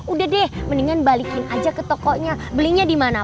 udah deh mendingan balikin aja ke tokonya belinya dimana